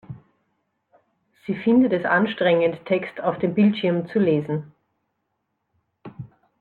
Sie findet es anstrengend, Text auf dem Bildschirm zu lesen.